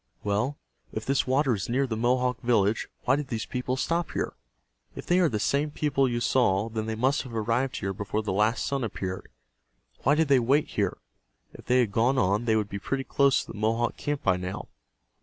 Well, if this water is near the Mohawk village, why did these people stop here? If they are the same people you saw, then they must have arrived here before the last sun appeared. Why did they wait here? If they had gone on they would be pretty close to the Mohawk camp by now."